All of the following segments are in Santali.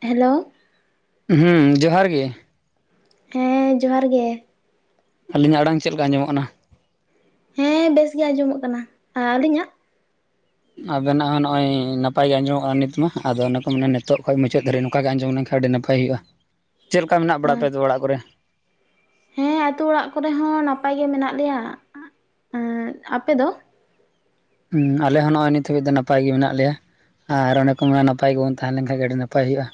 ᱦᱮᱞᱳ ᱦᱩᱸ ᱡᱚᱦᱟᱨ ᱜᱮ᱾ ᱦᱮᱸ ᱡᱚᱦᱟᱨ ᱜᱮ, ᱟᱹᱞᱤᱧ ᱟᱜ ᱟᱲᱟᱝ ᱪᱮᱫ ᱞᱮᱠᱟ ᱟᱡᱚᱢᱚᱜ ᱠᱟᱱᱟ? ᱦᱮᱸ ᱵᱮᱥ ᱜᱮ ᱟᱸᱡᱚᱢᱚᱜ ᱠᱟᱱᱟ, ᱟᱹᱞᱤᱧ ᱟᱜ? ᱟᱵᱮᱱᱟᱜ ᱦᱚᱸ ᱱᱚᱜᱼᱚᱭ ᱱᱟᱯᱟᱭ ᱜᱮ ᱟᱸᱡᱚᱢᱚᱜᱼᱟ ᱱᱤᱛ ᱢᱟ, ᱟᱫᱚ ᱚᱱᱟ ᱠᱚ ᱢᱟᱱᱮ ᱱᱤᱛᱚᱜ ᱠᱷᱚᱱ ᱢᱩᱪᱟᱹᱫ ᱫᱷᱟᱹᱨᱤᱡ ᱱᱚᱝᱠᱟ ᱜᱮ ᱟᱸᱡᱚᱢ ᱞᱮᱱᱠᱷᱟᱱ ᱟᱹᱰᱤ ᱱᱟᱯᱟᱭ ᱦᱩᱭᱩᱜᱼᱟ᱾ ᱦᱮᱸ ᱪᱮᱫ ᱞᱮᱠᱟ ᱢᱮᱱᱟᱜ ᱵᱟᱲᱟ ᱯᱮᱭᱟ ᱛᱚ ᱚᱲᱟᱜ ᱠᱚᱨᱮ? ᱦᱮᱸ ᱟᱛᱳ ᱚᱲᱟᱜ ᱠᱚᱨᱮ ᱦᱚᱸ ᱱᱟᱯᱟᱭ ᱜᱮ ᱢᱮᱱᱟᱜ ᱞᱮᱭᱟ, ᱟᱯᱮ ᱫᱚ? ᱦᱩᱸ ᱟᱞᱮ ᱦᱚᱸ ᱱᱚᱜ ᱚᱭ ᱱᱤᱛ ᱦᱟᱹᱵᱤᱡ ᱫᱚ ᱱᱟᱯᱟᱭ ᱜᱮ ᱢᱮᱱᱟᱜ ᱞᱮᱭᱟ᱾ ᱟᱨ ᱚᱱᱮ ᱠᱚ ᱢᱮᱱ ᱱᱟᱯᱟᱭ ᱜᱮᱵᱚᱱ ᱛᱟᱦᱮᱸ ᱞᱮᱱ ᱠᱷᱟᱱ ᱟᱹᱰᱤ ᱱᱟᱯᱟᱭ ᱦᱩᱭᱩᱜᱼᱟ,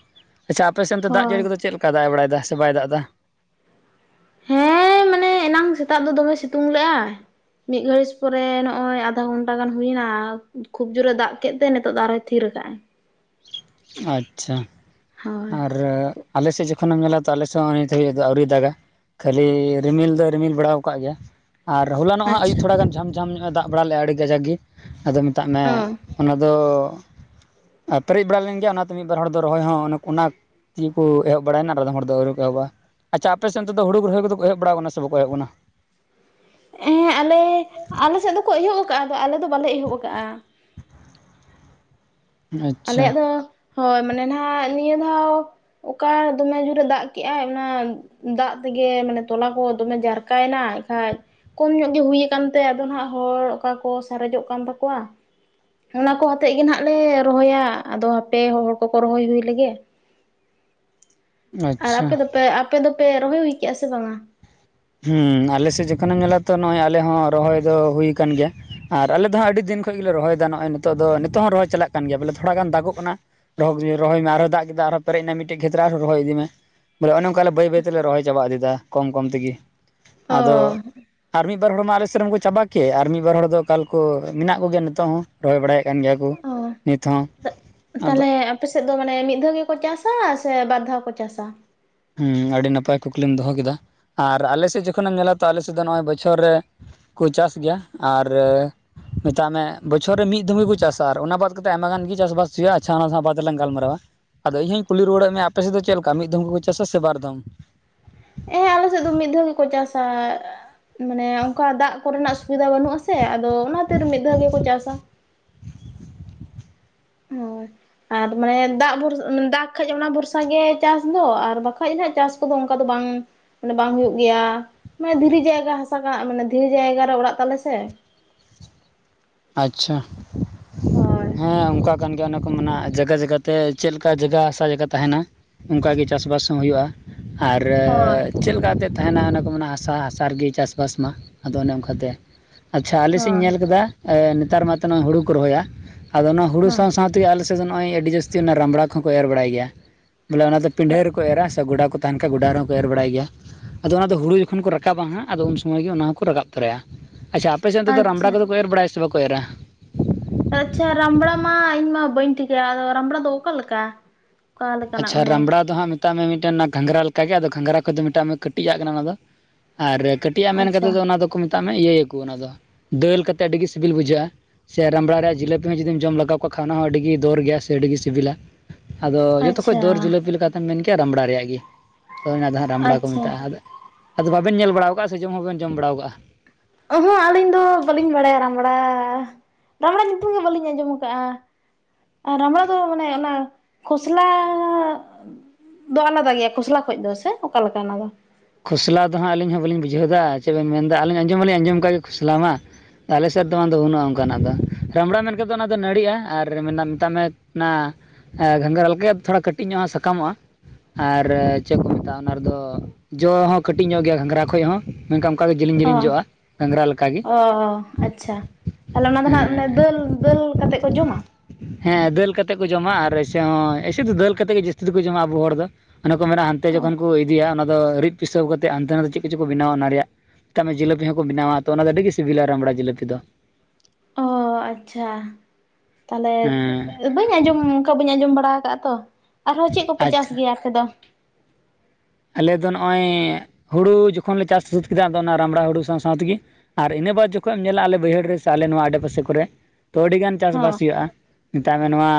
ᱟᱪᱪᱷᱟ ᱟᱯᱮ ᱥᱮᱛ ᱫᱚ ᱫᱟᱜ ᱡᱟᱹᱲᱤ ᱦᱳᱭ ᱫᱚ ᱪᱮᱫ ᱞᱮᱠᱟ ᱫᱟᱜ ᱵᱟᱲᱟᱭ ᱫᱟ, ᱥᱮ ᱵᱟᱭ ᱫᱟᱜ ᱮᱫᱟ? ᱦᱮᱸᱻ ᱢᱟᱱᱮ ᱮᱱᱟᱝ ᱥᱮᱛᱟᱜ ᱫᱚ ᱫᱚᱢᱮ ᱥᱤᱛᱩᱝ ᱞᱮ ᱟᱭ, ᱢᱤᱫ ᱜᱷᱟᱹᱲᱤᱡ ᱯᱚᱨᱮ ᱱᱚᱜᱼᱚᱭ ᱟᱫᱷᱟ ᱜᱷᱚᱱᱴᱟ ᱜᱟᱱ ᱦᱩᱭᱱᱟ ᱠᱷᱩᱵᱽ ᱡᱳᱨᱮ ᱫᱟᱜ ᱠᱮᱫ ᱛᱮ ᱱᱤᱛᱚᱜ ᱫᱚ ᱟᱨᱦᱚᱭ ᱛᱷᱤᱨ ᱟᱠᱟᱫᱼᱟᱭ᱾ ᱟᱪᱪᱷᱟ ᱦᱳᱭ ᱟᱨ ᱟᱞᱮ ᱥᱮᱫ ᱡᱚᱠᱷᱚᱱ ᱮᱢ ᱧᱮᱞᱟ, ᱛᱚ ᱟᱞᱮᱫ ᱦᱚᱸ ᱱᱤᱛ ᱦᱟᱵᱤᱡ ᱫᱚ ᱟᱹᱣᱨᱤ ᱫᱟᱜᱟ᱾ ᱠᱷᱟᱹᱞᱤ ᱨᱤᱢᱤᱞ ᱫᱚ ᱨᱤᱢᱤᱞ ᱵᱟᱲᱟ ᱟᱠᱟᱫ ᱜᱮᱭᱟ, ᱟᱨ ᱦᱚᱞᱟ ᱱᱚᱜ ᱦᱚᱸ ᱟᱭᱩᱵ ᱟᱪᱪᱷᱟ ᱛᱷᱚᱲᱟ ᱜᱟᱱ ᱡᱷᱟᱢ ᱡᱷᱟᱢ ᱧᱚᱜ ᱮ ᱫᱟᱜ ᱵᱟᱲᱟ ᱞᱮᱫᱼᱟ ᱟᱹᱰᱤ ᱠᱟᱡᱟᱠ ᱜᱮ, ᱟᱫᱚ ᱢᱮᱛᱟᱜ ᱢᱮ ᱚ ᱚᱱᱟ ᱫᱚ ᱯᱮᱨᱮᱡ ᱵᱟᱲᱟ ᱞᱮᱱ ᱚᱱᱟᱛᱮ ᱢᱤᱫ ᱵᱟᱨ ᱦᱚᱲ ᱫᱚ ᱨᱚᱦᱚᱭ ᱦᱚᱸ ᱚᱱᱟ ᱠᱩᱱᱟ ᱛᱤ ᱦᱚ ᱮᱦᱚᱵ ᱵᱟᱲᱟᱭᱮᱱᱟ ᱟᱫᱚᱢ ᱦᱚᱲ ᱫᱚ ᱟᱹᱶᱨᱤ ᱠᱚ ᱮᱦᱚᱵᱟ᱾ ᱟᱪᱪᱷᱟ ᱟᱯᱮ ᱥᱮᱫ ᱦᱩᱲᱩ ᱨᱚᱦᱚᱭ ᱠᱚᱫᱚ ᱮᱦᱮᱡ ᱵᱟᱲᱟ ᱟᱠᱟᱱᱟ ᱥᱮ ᱵᱟᱠ ᱠᱚ ᱮᱦᱚᱵ ᱠᱟᱱᱟ᱾ ᱦᱮᱸ ᱟᱞᱮ, ᱟᱞᱮ ᱥᱮᱫ ᱫᱚᱠᱚ ᱮᱦᱚᱵ ᱟᱠᱟᱜᱼᱟ ᱟᱫᱚ ᱟᱞᱮ ᱫᱚ ᱵᱟᱞᱮ ᱮᱦᱚᱵ ᱟᱠᱟᱜᱼᱟ᱾ ᱟᱪᱪᱷᱟ ᱟᱞᱮᱭᱟᱜ ᱫᱚ ᱦᱳᱭ ᱢᱟᱱᱮ ᱱᱟᱦᱟᱜ ᱱᱤᱭᱟᱹ ᱫᱷᱟᱣ ᱚᱠᱟ ᱫᱚᱢᱮ ᱡᱳᱨᱮ ᱫᱟᱜ ᱠᱮᱟᱭ ᱚᱱᱟ ᱫᱟᱜ ᱛᱮᱜᱮ ᱢᱟᱱᱮ ᱛᱚᱞᱟ ᱠᱚ ᱫᱚᱢᱮ ᱡᱟᱨᱠᱟᱭᱮᱱᱟ ᱮᱱᱠᱷᱟᱡ, ᱠᱚᱢ ᱧᱚᱜ ᱜᱮ ᱦᱩᱭ ᱟᱠᱟᱱ ᱛᱮ ᱟᱫᱚ ᱱᱟᱦᱟᱜ ᱦᱚᱲ ᱚᱠᱟ ᱠᱚ ᱥᱟᱨᱮᱡᱚᱜ ᱠᱟᱱ ᱛᱟᱠᱚᱣᱟ, ᱚᱱᱟ ᱠᱚ ᱟᱛᱮᱜ ᱜᱮ ᱱᱟᱜ ᱞᱮ ᱨᱚᱦᱚᱭᱟ, ᱟᱫᱚ ᱦᱟᱯᱮ ᱦᱚᱲ ᱠᱚᱠᱚ ᱨᱚᱦᱚᱭ ᱦᱩᱭ ᱞᱮᱜᱮ, ᱟᱨ ᱟᱪᱪᱷᱟ ᱟᱯᱮ ᱫᱚᱯᱮ ᱟᱯᱮ ᱫᱚᱯᱮ ᱨᱚᱦᱚᱭ ᱦᱩᱭ ᱠᱮ ᱟ ᱥᱮ ᱵᱟᱝ ᱟ? ᱦᱩᱸ ᱟᱞᱮ ᱥᱮᱫ ᱡᱚᱠᱷᱚᱱ ᱮᱢ ᱧᱮᱞᱟ ᱛᱚ ᱱᱚᱜ ᱚᱭ ᱟᱞᱮ ᱦᱚᱸ ᱨᱚᱦᱚᱭ ᱫᱚ ᱦᱩᱭ ᱟᱠᱟᱱ ᱜᱮᱭᱟ᱾ ᱟᱨ ᱟᱞᱮ ᱫᱚ ᱦᱟᱸᱜ ᱟᱹᱰᱤ ᱫᱤᱱ ᱠᱷᱚᱡ ᱜᱮᱞᱮ ᱨᱚᱦᱚᱭ ᱮᱫᱟ, ᱱᱚᱜᱼᱚᱭ ᱱᱤᱛᱚᱜ ᱫᱚ ᱱᱤᱛᱚᱜ ᱦᱚᱸ ᱨᱚᱦᱚᱭ ᱪᱟᱞᱟᱜ ᱠᱟᱱ ᱜᱮᱭᱟ ᱵᱚᱞᱮ ᱛᱷᱚᱲᱟ ᱜᱟᱱ ᱫᱟᱜᱚᱜ ᱠᱟᱱᱟ᱾ ᱨᱚᱦ ᱨᱚᱦᱚᱭ ᱢᱮ ᱟᱨᱦᱚᱸ ᱫᱟᱜ ᱠᱮᱫᱟ ᱟᱨᱦᱚᱸ ᱯᱮᱨᱮᱡ ᱮᱱᱟ ᱢᱤᱫᱴᱮᱱ ᱠᱷᱮᱛᱨᱮ ᱨᱮ ᱟᱨᱚᱸ ᱨᱚᱭ ᱤᱫᱤ ᱢᱮ, ᱵᱚᱞᱮ ᱚᱱᱮ ᱚᱱᱠᱟ ᱵᱟᱹᱭ ᱵᱟᱹᱭ ᱛᱮᱞᱮ ᱨᱚᱦᱚᱭ ᱪᱟᱵᱟ ᱤᱫᱤᱭ ᱫᱟ ᱠᱚᱢ ᱠᱚᱢ ᱛᱮᱜᱤ, ᱚ ᱟᱫᱚ ᱟᱨ ᱢᱤᱫ ᱵᱟᱨ ᱦᱚᱲ ᱢᱟ ᱟᱞᱮ ᱥᱮᱫ ᱨᱮᱱ ᱠᱚ ᱪᱟᱵᱟ ᱠᱮᱫ, ᱟᱨ ᱢᱤᱫ ᱵᱟᱨ ᱦᱚᱲ ᱫᱚ ᱚᱠᱟᱞ ᱠᱚ ᱢᱮᱱᱟᱜ ᱠᱚᱜᱮᱭᱟ ᱱᱤᱛᱚᱜ ᱦᱚᱸ᱾ ᱨᱚᱦᱚᱭ ᱵᱟᱲᱟᱭ ᱮᱫ ᱠᱟᱱ ᱜᱮᱭᱟ ᱠᱚ ᱚ ᱱᱤᱛ ᱦᱚᱸ ᱟᱫᱚ ᱛᱟᱦᱚᱞᱮ ᱟᱯᱮ ᱥᱮᱫ ᱫᱚ ᱢᱟᱱᱮ ᱢᱤᱫ ᱫᱷᱟᱣ ᱜᱮᱠᱚ ᱪᱟᱥᱟ ᱥᱮ ᱵᱟᱨ ᱫᱷᱟᱣ ᱠᱚ ᱪᱟᱥᱟ? ᱦᱮᱸ ᱟᱹᱰᱤ ᱱᱟᱯᱟᱭ ᱠᱩᱠᱞᱤᱢ ᱫᱚᱦᱚ ᱠᱮᱫᱟ, ᱟᱨ ᱟᱞᱮ ᱥᱮᱫ ᱡᱚᱠᱷᱚᱱᱮᱢ ᱧᱮᱞᱟ ᱛᱚ ᱟᱞᱮ ᱥᱮᱫ ᱫᱚ ᱱᱚᱜ-ᱚᱭ ᱵᱚᱪᱷᱚᱨ ᱨᱮ ᱠᱚ ᱪᱟᱥ ᱜᱮᱭᱟ ᱟᱨ, ᱢᱮᱛᱟᱜ ᱢᱮ ᱵᱚᱪᱷᱚᱨ ᱨᱮ ᱢᱤᱫ ᱫᱷᱚᱢ ᱜᱮᱠᱩ ᱪᱟᱥᱟ ᱟᱨ ᱚᱱᱟ ᱵᱟᱫ ᱠᱟᱛᱮᱫ, ᱟᱭᱢᱟ ᱜᱟᱱ ᱜᱮ ᱪᱟᱥᱵᱟᱥ ᱦᱩᱭᱩᱜ-ᱟ ᱟᱪᱪᱷᱟ ᱚᱱᱟ ᱥᱟᱶ ᱵᱟᱫᱽ ᱨᱮᱞᱟᱝ ᱜᱟᱞᱢᱟᱨᱟᱣᱟ᱾ ᱟᱫᱚ ᱤᱧ ᱦᱚᱧ ᱠᱩᱞᱤ ᱨᱩᱣᱟᱹᱲᱮᱜ ᱢᱮᱭᱟ, ᱟᱯᱮ ᱥᱮᱫ ᱫᱚ ᱪᱮᱫ ᱞᱮᱠᱟ ᱢᱤᱫ ᱫᱷᱚᱢ ᱜᱮᱠᱚ ᱪᱟᱥᱟ ᱥᱮ ᱵᱟᱨ ᱫᱷᱚᱢ? ᱦᱮᱸ ᱟᱞᱮ ᱥᱮᱫ ᱫᱚ ᱢᱤᱫ ᱫᱷᱟᱣ ᱜᱮᱠᱚ ᱪᱟᱥᱟ ᱢᱟᱱᱮ ᱚᱱᱠᱟ ᱫᱟᱜ ᱠᱚᱨᱮᱱᱟᱜ ᱥᱩᱵᱤᱫᱟ ᱵᱟᱹᱱᱩᱜ-ᱟ ᱥᱮ, ᱟᱫᱚ ᱚᱱᱟᱛᱮᱨ ᱢᱤᱫ ᱫᱷᱟᱣ ᱜᱮᱠᱚ ᱪᱟᱥᱟ᱾ ᱦᱳᱭ ᱟᱨ ᱢᱟᱱᱮ ᱫᱟᱜ ᱵᱷᱚᱨᱥ ᱫᱟᱜ ᱠᱷᱟᱡ ᱚᱱᱟ ᱵᱷᱚᱨᱥᱟ ᱜᱮ ᱪᱟᱥ ᱫᱚ ᱟᱨ ᱵᱟᱠᱷᱟᱡ ᱦᱟᱸᱜ ᱪᱟᱥ, ᱚᱱᱠᱟ ᱫᱚ ᱵᱟᱝ ᱢᱟᱱᱮ ᱵᱟᱝ ᱦᱩᱭᱩᱜ ᱜᱮᱭᱟ, ᱢᱟᱱᱮ ᱫᱷᱤᱨᱤ ᱡᱟᱭᱜᱟ ᱦᱟᱥᱟ ᱠᱟ ᱢᱟᱱᱮ ᱫᱷᱤᱨᱤ ᱡᱟᱭᱜᱟ ᱨᱮ ᱚᱲᱟᱜ ᱛᱟᱞᱮ ᱥᱮ, ᱟᱪᱪᱷᱟ ᱦᱳᱭ ᱦᱮᱸ ᱚᱱᱠᱟ ᱠᱟᱱ ᱜᱮᱭᱟ ᱚᱱᱟ ᱠᱚ ᱢᱮᱱᱟᱜ ᱡᱟᱜᱟ ᱡᱟᱜᱟ ᱛᱮ ᱪᱮᱫ ᱞᱮᱠᱟ ᱡᱟᱜᱟ ᱦᱟᱥᱟ ᱡᱟᱭᱜᱟ ᱛᱟᱦᱮᱱᱟ ᱚᱝᱠᱟ ᱜᱮ ᱪᱟᱥ ᱵᱟᱥ ᱦᱚᱸ ᱦᱩᱭᱩᱜ-ᱟ᱾ ᱟᱨ ᱦᱳᱭ ᱪᱮᱫ ᱞᱮᱠᱟ ᱠᱟᱛᱮᱫ ᱛᱟᱦᱮᱱᱟ ᱚᱱᱟ ᱠᱚ ᱢᱮᱱᱟ ᱦᱟᱥᱟ ᱦᱟᱥᱟ ᱨᱮᱜᱮ ᱪᱟᱥ ᱵᱟᱥ ᱢᱟ ᱟᱫᱚ ᱚᱱᱮ ᱚᱱᱠᱟᱛᱮ ᱟᱪᱪᱷᱟ ᱟᱞᱮ ᱥᱮᱫ ᱤᱧ ᱦᱳᱭ ᱧᱮᱞ ᱠᱟᱫᱟ ᱮᱸ ᱱᱮᱛᱟᱨ ᱢᱟᱛᱚ ᱱᱚᱭ ᱦᱩᱲᱩ ᱠᱚ ᱨᱚᱦᱚᱭ-ᱟ ᱟᱫᱚ ᱚᱱᱟ ᱦᱩᱲᱩ ᱦᱮᱸ ᱥᱟᱶ ᱥᱟᱶ ᱛᱮᱜᱮ ᱟᱞᱮᱥᱮᱫ ᱫᱚ ᱱᱚᱜᱚᱭ ᱟᱹᱰᱤ ᱡᱟᱹᱥᱛᱤ ᱚᱱᱟ ᱨᱟᱢᱵᱽᱲᱟ ᱠᱚᱦᱚᱠᱚ ᱮᱨ ᱵᱟᱲᱟᱭ ᱜᱮᱭᱟ, ᱵᱚᱞᱮ ᱚᱱᱟ ᱫᱚ ᱯᱤᱱᱰᱷᱟᱹ ᱨᱮᱠᱚ ᱮᱨᱟ ᱥᱮ ᱜᱚᱰᱟ ᱠᱚ ᱛᱟᱦᱮᱱ ᱠᱷᱟᱡ ᱜᱚᱰᱟ ᱨᱮᱦᱚᱸ ᱠᱚ ᱮᱨ ᱵᱟᱲᱟᱭ ᱜᱮᱭᱟ᱾ ᱟᱫᱚ ᱚᱱᱟ ᱫᱚ ᱦᱩᱲᱩ ᱡᱚᱠᱷᱚᱱ ᱠᱚ ᱨᱟᱠᱟᱵᱟ ᱦᱟᱸᱜ ᱟᱫᱚ ᱩᱱ ᱥᱳᱢᱳᱭ ᱜᱮ ᱚᱱᱟ ᱦᱚᱸᱠᱚ ᱨᱟᱠᱟᱵ ᱛᱚᱨᱟᱭ-ᱟ, ᱟᱪᱪᱷᱟ ᱯᱮᱥᱮ ᱫᱚ [unintelligible] ᱨᱟᱢᱲᱟ ᱟᱪᱪᱷᱟ ᱠᱚᱫᱚᱠᱚ ᱮᱨ ᱵᱟᱲᱟᱭᱟ, ᱥᱮ ᱵᱟᱠᱚ ᱮᱨᱟ? ᱟᱪᱪᱷᱟ ᱨᱟᱢᱵᱽᱲᱟ ᱢᱟ ᱤᱧ ᱢᱟ ᱵᱟᱹᱧ ᱴᱷᱤᱠᱟᱹᱭ-ᱟ, ᱟᱫᱚ ᱨᱟᱢᱵᱽᱲᱟ ᱫᱚ ᱚᱠᱟ ᱞᱮᱠᱟ? ᱚᱠᱟ ᱞᱮᱠᱟᱱᱟᱜ ᱟᱪᱪᱷᱟ ᱢᱟᱱᱮ ᱨᱟᱢᱵᱽᱲᱟ ᱫᱚ ᱦᱟᱸᱜ ᱢᱮᱛᱟᱜ ᱢᱮ ᱢᱤᱫ ᱴᱮᱱ ᱚᱱᱟ ᱜᱷᱟᱸᱜᱽᱨᱟ ᱞᱮᱠᱟᱜᱮ ᱟᱫᱚ ᱜᱷᱟᱸᱜᱽᱨᱟ ᱠᱷᱚᱡ ᱫᱚ ᱢᱮᱛᱟᱜ ᱢᱮ ᱠᱟᱹᱴᱤᱡ ᱟᱜ ᱠᱟᱱᱟ ᱚᱱᱟ ᱫᱚ᱾ ᱟᱨ ᱠᱟᱹᱴᱤᱡ ᱟᱜ ᱢᱮᱱ ᱟᱪᱪᱷᱟ ᱠᱟᱛᱮᱫ ᱫᱚ ᱚᱱᱟ ᱫᱚᱠᱚ ᱢᱮᱛᱟᱜ ᱢᱮ ᱤᱭᱟᱹᱭᱟᱠᱚ ᱚᱱᱟ ᱫᱚ ᱫᱟᱹᱞ ᱠᱟᱛᱮᱫ ᱟᱹᱰᱤ ᱜᱮ ᱥᱤᱵᱤᱞ ᱵᱩᱡᱷᱟᱹᱜ-ᱟ᱾ ᱥᱮ ᱨᱟᱢᱵᱽᱲᱟ ᱨᱮᱭᱟᱜ ᱡᱤᱞᱟᱹᱯᱤ ᱦᱚᱸ ᱡᱩᱫᱤᱢ ᱡᱚᱢ ᱞᱟᱜᱟᱣ ᱠᱟᱜ ᱠᱷᱟᱱ ᱚᱱᱟ ᱦᱚᱸ ᱟᱹᱰᱤᱜᱮ ᱫᱚᱨ ᱜᱮᱭᱟ ᱥᱮ ᱟᱹᱰᱤᱜᱤ ᱥᱤᱵᱤᱞ-ᱟ, ᱟᱫᱚ ᱛᱚᱠᱷᱚᱡ ᱫᱚᱨ ᱟᱪᱪᱷᱟ ᱡᱤᱞᱟᱹᱯᱤ ᱞᱮᱠᱟᱛᱮᱢ ᱢᱮᱱ ᱠᱮᱭᱟ ᱨᱟᱢᱵᱽᱲᱟ ᱨᱮᱭᱟᱜ ᱜᱮ ᱟᱫᱚ ᱫᱚ ᱦᱟᱸᱜ ᱨᱟᱢᱽᱵᱲᱟ ᱠᱚ ᱟᱪᱪᱷᱟ ᱢᱮᱛᱟᱜ-ᱟ᱾ ᱟᱫᱚ ᱵᱟᱵᱮᱱ ᱧᱮᱞ ᱵᱟᱲᱟᱣ ᱠᱟᱜᱟ ᱥᱮ ᱡᱚᱢ ᱦᱚᱸ ᱵᱟᱵᱮᱱ ᱡᱚᱢ ᱵᱟᱲᱟᱣ ᱠᱟᱜᱟ᱾ ᱚᱦᱚᱸᱜ ᱟᱹᱞᱤᱧ ᱫᱚ ᱵᱟᱹᱞᱤᱧ ᱵᱟᱲᱟᱭ-ᱟ ᱨᱟᱢᱵᱽᱲᱟ ᱨᱟᱢᱵᱽᱲᱟ ᱧᱩᱛᱩᱢ ᱜᱮ ᱵᱟᱹᱞᱤᱧ ᱟᱸᱡᱚᱢ ᱟᱠᱟᱜ-ᱟ᱾ ᱟᱨ ᱨᱟᱢᱵᱽᱲᱟ ᱫᱚ ᱢᱟᱱᱮ ᱚᱱᱟ ᱠᱷᱚᱥᱞᱟ ᱫᱚ ᱟᱞᱟᱫᱟ ᱜᱮᱭᱟ ᱠᱷᱚᱥᱞᱟ ᱠᱷᱚᱡ ᱫᱚ, ᱥᱮ ᱚᱠᱟᱞᱮᱠᱟ ᱚᱱᱟ ᱫᱚ? ᱠᱷᱚᱥᱞᱟ ᱫᱚ ᱦᱟᱸᱜ ᱟᱹᱞᱤᱧ ᱦᱚᱸ ᱵᱟᱹᱞᱤᱧ ᱵᱩᱡᱷᱟᱹᱣᱫᱟ ᱪᱮᱫ ᱵᱤᱱ ᱢᱮᱱᱫᱟ ᱟᱹᱞᱤᱧ ᱟᱸᱡᱚᱢ ᱢᱟᱞᱤᱧ ᱟᱸᱡᱚᱢ ᱠᱟᱜ ᱜᱮ ᱠᱷᱚᱥᱞᱟ ᱢᱟ᱾ ᱟᱞᱮ ᱥᱮᱫ ᱫᱚ ᱵᱟᱝᱫᱚ ᱵᱟᱹᱱᱩᱜ-ᱟ ᱚᱝᱠᱟᱱᱟᱜ ᱫᱚ ᱨᱟᱢᱵᱽᱲᱟ ᱢᱮᱱ ᱠᱮᱫ ᱫᱚ ᱚᱱᱟ ᱫᱚ ᱱᱟᱹᱲᱤᱜ-ᱟ, ᱟᱨ [unintelligible] ᱢᱮᱛᱟᱜ ᱢᱮ ᱚᱱᱟ ᱜᱷᱟᱸᱜᱽᱨᱟ ᱞᱮᱠᱟ ᱛᱷᱚᱲᱟ ᱠᱟᱹᱴᱤᱡ ᱧᱚᱜᱟᱜ ᱥᱟᱠᱟᱢᱚᱜ-ᱟ᱾ ᱟᱨ ᱪᱮᱫ ᱠᱚ ᱢᱮᱛᱟᱜ-ᱟ ᱚᱱᱟ ᱨᱮᱫᱚ ᱡᱚ ᱦᱚᱸ ᱠᱟᱹᱴᱤᱡ ᱧᱚᱜ ᱜᱮᱭᱟ ᱜᱷᱟᱸᱜᱨᱟ ᱠᱷᱚᱡ ᱦᱚᱸ ᱢᱮᱱᱠᱷᱟᱱ ᱚᱝᱠᱟᱜᱮ ᱡᱮᱞᱤᱧ ᱚ ᱡᱤᱞᱤᱧ ᱡᱚᱜᱟ ᱜᱷᱟᱸᱜᱨᱟ ᱞᱮᱠᱟᱜᱮ᱾ ᱚ ᱟᱪᱪᱷᱟ ᱛᱟᱦᱟᱞᱮ ᱚᱱᱟ ᱫᱚ ᱱᱟᱜ ᱢᱟᱱᱮ ᱦᱮᱸ ᱫᱟᱹᱞ ᱫᱟᱹᱞ ᱠᱟᱛᱮᱫ ᱠᱚ ᱡᱚᱢᱟ᱾ ᱦᱮᱸ ᱫᱟᱹᱞ ᱠᱟᱛᱮ ᱠᱚ ᱡᱚᱢᱟ, ᱟᱨ ᱮᱭᱥᱮ ᱦᱚᱸ ᱮᱭᱥᱮ ᱫᱚ ᱫᱟᱹᱞ ᱠᱟᱛᱮ ᱜᱮ ᱡᱟᱹᱥᱛᱤ ᱫᱚᱠᱚ ᱡᱚᱢᱟ ᱟᱵᱚ ᱦᱚᱲ ᱫᱚ᱾ ᱚᱱᱮ ᱠᱚ ᱢᱮᱱᱟ ᱦᱟᱱᱛᱮ ᱚ ᱡᱚᱠᱷᱚᱱ ᱠᱚ ᱤᱫᱤᱭᱟ ᱚᱱᱟ ᱫᱚ ᱨᱤᱫ ᱯᱤᱥᱟᱹᱣ ᱠᱟᱛᱮᱫ ᱦᱟᱱᱛᱮ ᱱᱟᱛᱮ ᱪᱮᱫ ᱠᱚᱪᱚ ᱠᱚ ᱵᱮᱱᱟᱣᱟ ᱚᱱᱟ ᱨᱮᱭᱟᱜ᱾ ᱛᱟᱜᱢᱮ ᱡᱤᱞᱟᱹᱯᱤ ᱦᱚᱸᱠᱚ ᱵᱮᱱᱟᱣᱟ ᱛᱚ ᱚᱱᱟ ᱫᱚ ᱟᱹᱰᱤ ᱜᱮ ᱥᱤᱵᱤᱞ-ᱟ ᱨᱟᱢᱵᱽᱲᱟ ᱡᱤᱞᱟᱹᱯᱤ ᱫᱚ᱾ ᱚ ᱟᱪᱪᱷᱟ ᱛᱟᱦᱟᱞᱮ ᱦᱮᱸ ᱵᱟᱹᱧ ᱟᱸᱡᱚᱢ ᱚᱝᱠᱟ ᱵᱟᱹᱧ ᱟᱸᱡᱚᱢ ᱵᱟᱲᱟ ᱠᱟᱜᱟ ᱛᱚ, ᱟᱨᱦᱚᱸ ᱪᱮᱫ ᱠᱚᱯᱮ ᱪᱟᱥ ᱟᱪᱪᱷᱟ ᱜᱮᱭᱟ ᱟᱯᱮ ᱫᱚ? ᱟᱞᱮ ᱫᱚ ᱱᱚᱜᱚᱭ ᱦᱩᱲᱩ ᱡᱚᱠᱷᱚᱱ ᱞᱮ ᱪᱟᱥ ᱥᱟᱹᱛ ᱠᱮᱫᱟ, ᱟᱫᱚ ᱚᱱᱟ ᱨᱟᱢᱲᱟ ᱦᱩᱲᱩ ᱥᱟᱶ ᱥᱟᱶ ᱛᱤᱜᱤ᱾ ᱟᱨ ᱤᱱᱟᱹ ᱵᱟᱫᱽ ᱡᱚᱠᱷᱚᱡ ᱮᱢ ᱧᱮᱞᱟ ᱟᱞᱮ ᱵᱟᱹᱭᱦᱟᱹᱲ ᱨᱮ ᱥᱮ ᱟᱞᱮ ᱱᱚᱣᱟ ᱟᱰᱮᱯᱟᱥᱮ ᱠᱚᱨᱮ ᱛᱚ ᱟᱹᱰᱤᱜᱟᱱ ᱪᱟᱥ ᱵᱟᱥ ᱦᱚᱸ ᱦᱩᱭᱩᱜ-ᱟ ᱢᱮᱛᱟᱜ ᱢᱮ ᱱᱚᱣᱟ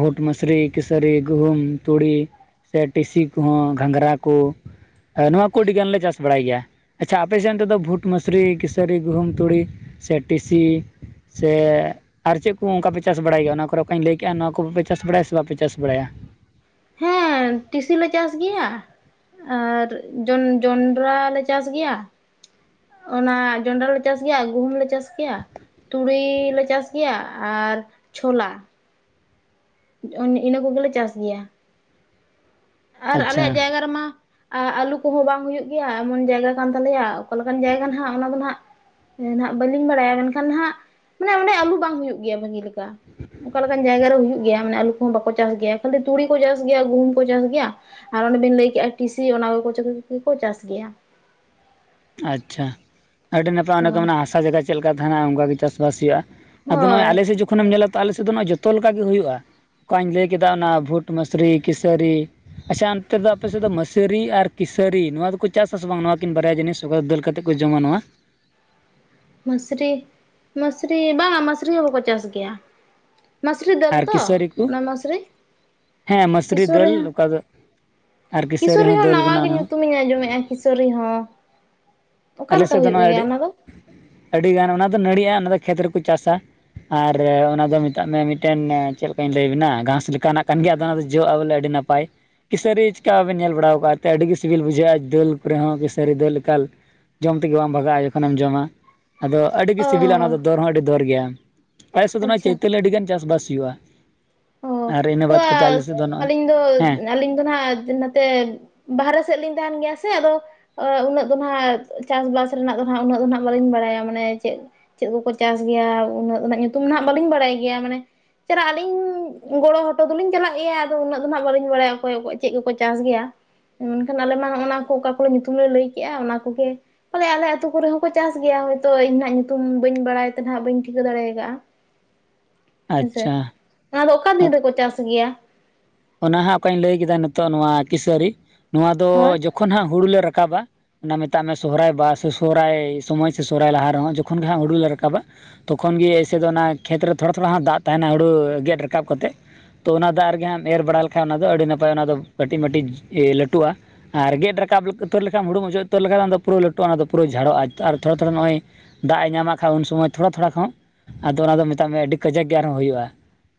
ᱵᱷᱩᱴ ᱢᱟᱥᱨᱤ, ᱠᱤᱥᱟᱹᱨᱤ, ᱜᱩᱦᱩᱢ, ᱛᱩᱲᱤ, ᱥᱮ ᱴᱤᱥᱤ ᱠᱚᱦᱚᱸ ᱜᱷᱟᱸᱜᱨᱟ ᱠᱳ᱾ ᱱᱚᱣᱟ ᱠᱚ ᱟᱹᱰᱤ ᱜᱟᱱᱞᱮ ᱪᱟᱥ ᱵᱟᱲᱟᱭ ᱜᱮᱭᱟ, ᱟᱪᱪᱷᱟ ᱟᱯᱮ ᱥᱮᱱ ᱛᱮᱫᱚ ᱵᱷᱩᱴ, ᱢᱟᱥᱨᱤ, ᱠᱤᱥᱟᱹᱨᱤ, ᱜᱩᱦᱩᱢ, ᱛᱩᱲᱤ ᱥᱮ ᱴᱤᱥᱤ ᱥᱮ ᱟᱨ ᱪᱮᱫ ᱠᱚ ᱚᱝᱠᱟᱯᱮ ᱪᱟᱥ ᱵᱟᱲᱟᱭ ᱜᱮᱭᱟ, ᱚᱱᱟ ᱠᱚᱨᱮ ᱚᱠᱟᱧ ᱞᱟᱹᱭ ᱠᱮᱜᱟ ᱱᱚᱣᱟ ᱠᱚᱯᱮ ᱪᱟᱥ ᱵᱟᱲᱟᱭᱟ ᱥᱮ ᱵᱟᱯᱮ ᱪᱟᱥ ᱵᱟᱲᱟᱭᱟ? ᱦᱮᱸ ᱴᱤᱥᱤ ᱞᱮ ᱪᱟᱥ ᱜᱮᱭᱟ᱾ ᱟᱨ ᱡᱚᱱ ᱡᱚᱸᱱᱰᱨᱟ ᱞᱮ ᱪᱟᱥ ᱜᱮᱭᱟ᱾ ᱚᱱᱟ ᱡᱚᱱᱰᱨᱟ ᱞᱮ ᱪᱟᱥ ᱜᱮᱭᱟ ᱜᱩᱦᱩᱢ ᱞᱮ ᱪᱟᱥ ᱜᱮᱭᱟ ᱛᱩᱲᱤ ᱞᱮ ᱪᱟᱥ ᱜᱮᱭᱟ ᱟᱨ ᱪᱷᱚᱞ-ᱟ᱾ [unintelligible] ᱤᱱᱟᱹ ᱠᱚᱜᱮᱞᱮ ᱪᱟᱥ ᱜᱮᱭᱟ᱾ ᱟᱨ ᱟᱪᱪᱷᱟ ᱟᱞᱮᱭᱟᱜ ᱡᱟᱭᱜᱟ ᱨᱮᱢᱟ ᱟ ᱟᱞᱩ ᱠᱚᱦᱚᱸ ᱵᱟᱝ ᱦᱩᱭᱩᱜ ᱜᱮᱭᱟ ᱮᱢᱚᱱ ᱡᱟᱭᱜᱟ ᱠᱟᱱ ᱛᱟᱞᱮᱭᱟ ᱚᱠᱟ ᱞᱮᱠᱟᱱ ᱡᱟᱭᱜᱟ ᱱᱟᱦᱟᱸᱜ ᱚᱱᱟ ᱫᱚ ᱱᱟᱦᱟᱸᱜ ᱱᱟᱦᱟᱜ ᱵᱟᱹᱞᱤᱧ ᱵᱟᱲᱟᱭᱟ ᱢᱮᱱᱠᱷᱟᱱ ᱦᱟᱸᱜ ᱢᱟᱱᱮ ᱚᱱᱮ ᱟᱞᱩ ᱵᱟᱝ ᱦᱩᱭᱩᱜ ᱜᱮᱭᱟ ᱵᱷᱟᱹᱜᱤ ᱞᱮᱠᱟ ᱾ ᱚᱱᱠᱟ ᱞᱮᱠᱟᱱ ᱡᱟᱭᱜᱟ ᱨᱮ ᱦᱩᱭᱩᱜ ᱜᱮᱭᱟ ᱢᱟᱱᱮ ᱟᱞᱩ ᱠᱚᱦᱚᱸ ᱵᱟᱠᱚ ᱪᱟᱥ ᱜᱮᱭᱟ ᱠᱷᱟᱹᱞᱤ ᱛᱩᱲᱤ ᱠᱚ ᱪᱟᱥ ᱜᱮᱭᱟ ᱜᱩᱦᱩᱢ ᱠᱚ ᱪᱟᱥ ᱜᱮᱭᱟ ᱜᱮᱭᱟ ᱟᱨ ᱚᱱᱰᱮᱱ ᱞᱟᱹᱭ ᱠᱮᱜᱼᱟ ᱴᱤᱥᱤ ᱚᱱᱟ ᱠᱚᱜᱮᱠᱚ ᱪᱟᱥ ᱜᱮᱭᱟ ᱾ ᱟᱪᱷᱟ ᱟᱹᱰᱤ ᱱᱟᱯᱟᱭ ᱠᱚ ᱦᱳᱭ ᱢᱮᱱᱟ ᱦᱟᱥᱟ ᱡᱟᱭᱜᱟ ᱪᱮᱫᱞᱮᱠᱟ ᱛᱟᱦᱮᱱᱟ ᱚᱱᱠᱟ ᱜᱮ ᱪᱟᱥᱵᱟᱥ ᱦᱩᱭᱩᱜᱼᱟ᱾ ᱟᱫᱚ ᱱᱚᱜᱼᱚᱭ ᱦᱳᱭ ᱟᱞᱮᱥᱮᱫ ᱡᱚᱠᱷᱚᱱᱮᱢ ᱧᱮᱞᱟ ᱛᱚ ᱟᱞᱮ ᱥᱮᱫ ᱫᱚ ᱱᱚᱜᱚᱭ ᱡᱚᱛᱚ ᱞᱮᱠᱟ ᱜᱮ ᱦᱩᱭᱩᱜᱼᱟ᱾ ᱚᱠᱟᱧ ᱞᱟᱹᱭ ᱠᱮᱫᱟ ᱚᱱᱟ ᱵᱷᱩᱴ ᱢᱟᱥᱨᱤ ᱠᱤᱥᱟᱹᱨᱤ ᱟᱪᱷᱟ ᱚᱱᱛᱮ ᱫᱚ ᱟᱯᱮ ᱥᱮᱫ ᱫᱚ ᱢᱟᱹᱥᱨᱤ ᱟᱨ, ᱠᱤᱥᱟᱹᱨᱤ, ᱱᱚᱣᱟ ᱫᱚᱠᱚ ᱪᱟᱥ ᱟᱥᱮ ᱵᱟᱝ ᱱᱚᱣᱟ ᱠᱤᱱ ᱵᱟᱨᱭᱟ ᱡᱤᱱᱤᱥ? ᱚᱠᱟ ᱫᱟᱹᱞ ᱠᱟᱛᱮᱫ ᱠᱚ ᱡᱚᱢᱟ ᱱᱚᱣᱟ᱾ ᱢᱟᱥᱨᱤ ᱢᱟᱥᱨᱤ ᱵᱟᱝᱟ ᱢᱟᱥᱨᱤ ᱦᱚᱸ ᱵᱟᱠᱚ ᱪᱟᱥ ᱜᱮᱭᱟ᱾ ᱢᱟᱥᱨᱤ ᱫᱟᱹᱞ ᱟᱨ ᱛᱚ, ᱠᱤᱥᱟᱹᱨᱤ ᱠᱚ ᱚᱱᱟ ᱢᱟᱥᱨᱤ ᱦᱮᱸ ᱢᱟᱹᱥᱨᱤ ᱠᱤᱥᱳᱨᱤ ᱫᱟᱹᱞ ᱦᱚᱸ ᱚᱠᱟ ᱫᱚ ᱟᱨ ᱠᱤᱥᱟᱹᱨᱤ ᱠᱤᱥᱳᱨᱤ ᱦᱚᱸ ᱫᱟᱹᱞ ᱱᱟᱣᱟ ᱠᱟᱱᱟ ᱜᱮ ᱚᱱᱟ ᱦᱚᱸ ᱧᱩᱛᱩᱢᱤᱧ ᱟᱸᱡᱚᱢᱮᱜᱼᱟ ᱠᱤᱥᱚᱨᱤ ᱦᱚᱸ᱾ ᱚᱠᱟ ᱞᱮᱠᱟ ᱟᱞᱮᱥᱮᱫ ᱫᱚ ᱦᱩᱭᱩᱜ ᱱᱚᱣᱟ ᱜᱮᱭᱟ ᱟᱹᱰᱤ ᱚᱱᱟ ᱫᱚ? ᱟᱹᱰᱤᱜᱟᱱ ᱚᱱᱟ ᱫᱚ ᱱᱟᱹᱲᱤᱜᱼᱟ, ᱚᱱᱟ ᱫᱚ ᱠᱷᱮᱛ ᱨᱮᱠᱚ ᱪᱟᱥᱟ᱾ ᱟᱨ ᱚᱱᱟ ᱫᱚ ᱢᱮᱛᱟᱜ ᱢᱮ ᱢᱤᱫᱴᱮᱱ ᱪᱮᱫ ᱞᱮᱠᱟᱧ ᱞᱟᱹᱭᱟᱵᱤᱱᱟ ᱜᱷᱟᱥ ᱞᱮᱠᱟᱱᱟᱜ ᱠᱟᱱ ᱜᱮᱭᱟ ᱟᱫᱚ ᱚᱱᱟ ᱡᱚᱜᱼᱟ ᱵᱚᱞᱮ ᱟᱹᱰᱤ ᱱᱟᱯᱟᱭ᱾ ᱠᱤᱥᱟᱹᱨᱤ ᱪᱤᱠᱟᱵᱮᱱ ᱧᱮᱞ ᱵᱟᱲᱟ ᱟᱠᱟᱫᱼᱟ ᱛᱮ ᱟᱹᱰᱤᱜᱮ ᱥᱤᱵᱤᱞ ᱵᱩᱡᱷᱟᱹᱜᱼᱟ ᱫᱟᱹᱞ ᱠᱚᱨᱮ ᱦᱚᱸ ᱠᱤᱥᱟᱹᱨᱤ ᱫᱟᱹᱞ ᱮᱠᱟᱞ ᱡᱚᱢ ᱛᱮᱜᱮ ᱵᱟᱢ ᱵᱷᱟᱜᱟᱜᱼᱟ ᱡᱚᱠᱷᱚᱱᱮᱢ ᱡᱚᱢᱟ, ᱟᱫᱚ ᱟᱹᱰᱤᱜᱮ ᱚ ᱥᱤᱵᱤᱞᱟ ᱚᱱᱟ ᱫᱚ ᱫᱚᱨ ᱦᱚᱸ ᱟᱹᱰᱤ ᱫᱚᱨ ᱜᱮᱭᱟ᱾ ᱟᱞᱮ ᱥᱮᱫ ᱱᱟᱦ ᱟᱪᱪᱷᱟ᱾ ᱪᱳᱛᱟᱹᱞᱤ ᱟᱹᱰᱤ ᱜᱟᱱ ᱪᱟᱥᱵᱟᱥ ᱦᱩᱭᱩᱜᱼᱟ᱾ ᱚ ᱟᱨ ᱤᱱᱟᱹ ᱵᱟᱫ ᱠᱟᱛᱮᱫ ᱟᱞᱮ ᱟᱫᱚ ᱥᱮᱫ ᱱᱚᱜᱼᱚᱭ ᱟᱹᱞᱤᱧ ᱫᱚ ᱦᱮᱸ ᱟᱹᱞᱤᱧ ᱫᱚ ᱱᱟᱜ ᱛᱮ ᱵᱟᱦᱨᱮ ᱥᱮᱫ ᱞᱤᱧ ᱛᱟᱦᱮᱱ ᱜᱮᱭᱟ ᱥᱮ ᱟᱫᱚ ᱚ ᱩᱱᱟᱹᱜ ᱫᱚ ᱦᱟᱸᱜ ᱪᱟᱥᱵᱟᱥ ᱨᱮᱱᱟᱜ ᱫᱚ ᱦᱟᱸᱜ ᱩᱱᱟᱹᱜ ᱫᱚ ᱦᱟᱸᱜ ᱵᱟᱹᱞᱤᱧ ᱵᱟᱲᱟᱭᱟ ᱢᱟᱱᱮ ᱪᱮᱫ ᱪᱮᱫ ᱠᱚᱠᱚ ᱪᱟᱥ ᱜᱮᱭᱟ ᱩᱱᱟᱹᱜ ᱩᱱᱟᱹᱜ ᱧᱩᱛᱩᱢ ᱦᱟᱜ ᱵᱟᱹᱞᱤᱧ ᱵᱟᱲᱟᱭ ᱜᱮᱭᱟ ᱢᱟᱱᱮ ᱪᱮᱞᱟᱜ ᱟᱹᱞᱤᱧ ᱜᱚᱲᱚ ᱦᱚᱴᱚ ᱫᱚᱞᱤᱧ ᱪᱟᱞᱟᱜ ᱜᱮᱭᱟ ᱟᱫᱚ ᱩᱱᱟᱹᱜ ᱫᱚ ᱦᱚᱱᱟᱜ ᱜᱚᱲᱚ ᱵᱟᱹᱞᱤᱧ ᱵᱟᱲᱟᱭᱟ ᱚᱠᱚᱭᱠᱚ ᱪᱮᱫ ᱠᱚᱠᱚ ᱪᱟᱥ ᱜᱮᱭᱟ᱾ ᱢᱮᱱᱠᱷᱟᱱ ᱟᱞᱮ ᱢᱟᱜᱼ ᱚᱱᱟ ᱠᱚ ᱚᱠᱟ ᱠᱚᱨᱮ ᱧᱩᱛᱩᱢ ᱞᱮ ᱞᱟᱹᱭ ᱠᱮᱜᱼᱟ ᱚᱱᱟ ᱠᱚᱜᱮ ᱵᱚᱞᱮ ᱟᱞᱮ ᱟᱹᱛᱩ ᱠᱚᱨᱮ ᱦᱚᱸᱠᱚ ᱪᱟᱥ ᱜᱮᱭᱟ ᱦᱭᱛᱳ ᱤᱧ ᱦᱟᱜ ᱧᱩᱛᱩᱢ ᱵᱟᱹᱧ ᱵᱟᱲᱟᱭ ᱛᱮᱦᱟᱜ ᱵᱟᱹᱧ ᱴᱷᱤᱠᱟᱹ ᱫᱟᱲᱮ ᱟᱠᱟᱫᱼᱟ᱾ [inaudible] ᱟᱪᱪᱷᱟ᱾ ᱚᱱᱟ ᱫᱚ ᱚᱠᱟ ᱫᱤᱱ ᱨᱮᱠᱚ ᱪᱟᱥ ᱜᱮᱭᱟ? ᱚᱱᱟ ᱦᱟᱸᱜ ᱚᱠᱟᱧ ᱞᱟᱹᱭ ᱠᱮᱫᱟ ᱱᱤᱛᱚᱜ ᱱᱚᱣᱟ ᱠᱤᱥᱟᱹᱨᱤ, ᱱᱚᱣᱟ ᱫᱚ ᱦᱳᱭ ᱡᱚᱠᱷᱚᱱ ᱦᱟᱸᱜ ᱦᱩᱲᱩᱞ ᱞᱮ ᱨᱟᱠᱟᱵᱟ ᱚᱱᱟ ᱢᱮᱛᱟᱜ ᱢᱮ ᱥᱚᱦᱨᱟᱭ ᱵᱟᱦᱟ ᱥᱮ ᱥᱚᱦᱦᱟᱭ ᱥᱚᱢᱚᱭ ᱥᱮ ᱥᱚᱦᱨᱟᱭ ᱞᱟᱦᱟ ᱨᱮᱦᱚᱸ ᱡᱚᱠᱷᱚᱱ ᱜᱮ ᱦᱟᱸᱜ ᱦᱩᱲᱩᱞ ᱞᱮ ᱨᱟᱠᱟᱵᱟ᱾ ᱛᱚᱠᱷᱚᱱ ᱜᱮ ᱮᱭᱥᱮ ᱫᱚ ᱚᱱᱟ ᱠᱷᱮᱛ ᱨᱮ ᱛᱷᱚᱲᱟ ᱛᱷᱚᱲᱟ ᱫᱟᱜ ᱛᱟᱦᱮᱱᱟ ᱦᱩᱲᱩ ᱜᱮᱫ ᱨᱟᱠᱟᱵ ᱠᱟᱛᱮᱫ᱾ ᱛᱚ ᱚᱱᱟ ᱫᱟᱜ ᱨᱮᱜᱮ ᱦᱟᱸᱜ ᱮᱢ ᱮᱨ ᱵᱟᱲᱟ ᱞᱮᱠᱷᱟᱱ ᱚᱱᱟ ᱫᱚ ᱟᱹᱰᱤ ᱱᱟᱯᱟᱭ ᱚᱱᱟ ᱫᱚ ᱠᱟᱹᱴᱤᱡ ᱢᱟᱹᱴᱤᱡ ᱞᱟᱹᱴᱩᱜᱼᱟ᱾ ᱟᱨ ᱜᱮᱫ ᱨᱟᱠᱟᱵ ᱩᱛᱟᱹᱨ ᱞᱮᱠᱷᱟᱱ ᱦᱩᱲᱩ ᱚᱪᱚᱜ ᱩᱛᱟᱹᱨ ᱞᱮᱠᱷᱟᱱᱫᱚ ᱯᱩᱨᱟᱹᱞᱟᱴᱩᱜᱼᱟ ᱫᱚ ᱯᱩᱨᱟᱹ ᱡᱷᱟᱲᱚᱜᱼᱟ ᱟᱨ ᱛᱷᱚᱲᱟ ᱛᱷᱚᱲᱟ ᱱᱚᱜᱼᱚᱭ ᱫᱟᱜ ᱮ ᱧᱟᱢᱟᱜ ᱠᱷᱟᱱ ᱩᱱ ᱥᱚᱢᱚᱭ ᱛᱷᱚᱲᱟ ᱛᱷᱚᱲᱟ ᱠᱷᱚᱱ ᱟᱫᱚ ᱚᱱᱟ ᱫᱚ ᱢᱮᱛᱟᱜ ᱢᱮ ᱟᱹᱰᱤ ᱠᱟᱡᱟᱠ ᱜᱮ ᱟᱨᱦᱚᱸ ᱦᱩᱭᱩᱜᱼᱟ᱾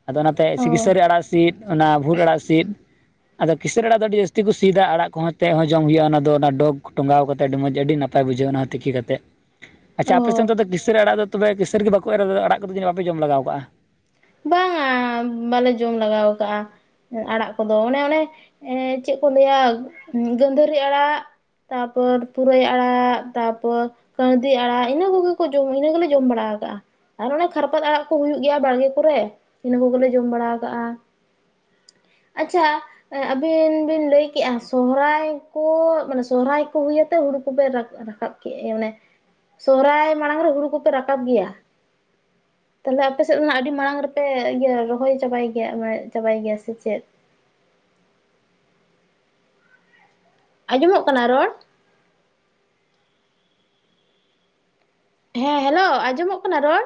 ᱟᱫᱚ ᱚᱱᱟᱛᱮ ᱤᱥᱤ ᱚ ᱠᱤᱥᱟᱹᱨᱤ ᱟᱲᱟᱜ ᱥᱤᱫ ᱚᱱᱟ ᱵᱷᱩᱴ ᱟᱲᱟᱜ ᱥᱤᱫ [inaudible] ᱟᱫᱚ ᱠᱤᱥᱟᱨᱤ ᱟᱲᱟᱜ ᱫᱚ ᱟᱹᱰᱤ ᱡᱟᱹᱥᱛᱤ ᱠᱚ ᱥᱤᱫᱟ ᱟᱲᱟᱜ ᱠᱚᱦᱚᱸ ᱪᱮᱫ ᱦᱚᱸ ᱡᱚᱢ ᱦᱩᱭᱩᱜᱼᱟ ᱚᱱᱟ ᱫᱚ ᱚᱱᱟ ᱰᱚᱜᱽ ᱴᱚᱸᱜᱟᱣ ᱠᱟᱛᱮ ᱟᱹᱰᱤ ᱢᱚᱡᱽ ᱟᱹᱰᱤ ᱱᱟᱯᱟᱭ ᱵᱩᱡᱷᱟᱹᱜᱼᱟ ᱚᱱᱟᱛᱮ ᱛᱤᱠᱤ ᱠᱟᱛᱮᱫ᱾ ᱟᱪᱷᱟ ᱟᱯᱮ ᱚ ᱥᱮᱫ ᱫᱚ ᱠᱤᱥᱟᱹᱨᱤᱹ ᱟᱲᱟᱜ ᱫᱚ ᱛᱚᱵᱮ ᱠᱤᱥᱟᱹᱲᱤ ᱜᱮ ᱵᱟᱠᱚ ᱮᱨᱟ ᱟᱲᱟᱜ ᱠᱚᱫᱚ ᱵᱟᱯᱮ ᱡᱚᱢ ᱞᱟᱜᱟᱣ ᱠᱟᱜᱼᱟ? ᱵᱟᱝᱟ᱾ ᱵᱟᱞᱮ ᱡᱚᱢ ᱞᱮᱟᱜᱟᱣ ᱟᱠᱟᱜᱼᱟ᱾ ᱟᱲᱟᱜ ᱠᱚᱫᱚ ᱚᱱᱮ ᱚᱱᱮ ᱪᱮᱫ ᱠᱚ ᱞᱟᱹᱭᱟ ᱜᱟᱹᱫᱷᱟᱹᱨᱤ ᱟᱲᱟᱜ ᱛᱟᱯᱚᱨ ᱯᱩᱨᱟᱹᱭ ᱟᱲᱟᱜ ᱛᱟᱯᱚᱨ ᱠᱟᱲᱫᱤ ᱟᱲᱟᱜ ᱤᱱᱟᱹ ᱠᱚᱜᱮ ᱠᱚ ᱡᱚᱢ ᱤᱱᱟᱹ ᱜᱮᱞᱮ ᱡᱚᱢ ᱵᱟᱲᱟ ᱠᱟᱜᱼᱟ᱾ ᱟᱨ ᱚᱱᱮ ᱠᱷᱟᱨᱯᱟᱛ ᱟᱲᱟᱜ ᱠᱚ ᱦᱩᱭᱩᱜ ᱜᱮᱭᱟ ᱵᱟᱲᱜᱮ ᱠᱚᱨᱮ ᱤᱱᱟᱹ ᱠᱚᱜᱮᱞᱮ ᱡᱚᱢ ᱵᱟᱲᱟ ᱠᱟᱜᱼᱟ᱾ ᱟᱪᱪᱷᱟ᱾ ᱟᱹᱵᱤᱱ ᱵᱤᱱ ᱞᱟᱹᱭ ᱠᱮᱜᱼᱟ ᱥᱚᱦᱨᱟᱹᱭ ᱠᱚ ᱢᱟᱱᱮ ᱥᱚᱨᱦᱟᱹᱭ ᱠᱚ ᱦᱩᱭᱩᱛᱮ ᱦᱩᱲᱩ ᱠᱚᱵᱮᱱ ᱨᱟᱠᱟᱵ ᱠᱮᱫ ᱮ ᱚᱱᱮ ᱥᱚᱨᱦᱟᱭ ᱢᱟᱲᱟᱝ ᱨᱮ ᱦᱩᱲᱩ ᱠᱚᱯᱮ ᱨᱟᱠᱟᱵ ᱜᱮᱭᱟ ᱛᱟᱞᱮ ᱟᱯᱮ ᱥᱮᱫ ᱟᱹᱰᱤ ᱢᱟᱲᱟᱝ ᱨᱮᱯᱮ ᱤᱭᱟᱹ ᱨᱚᱦᱚᱭ ᱪᱟᱵᱟᱭ ᱜᱮᱭᱟ ᱢᱟᱱᱮ ᱪᱟᱵᱟᱭ ᱜᱮᱭᱟ ᱥᱮ ᱪᱮᱫ ᱟᱸᱡᱚᱢᱚᱜ ᱠᱟᱱᱟ ᱨᱚᱲ ᱦᱮᱸ ᱦᱮᱞᱳ ᱟᱸᱡᱚᱢᱚᱜ ᱠᱟᱱᱟ ᱨᱚᱲ